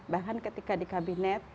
bahkan ketika di kabinet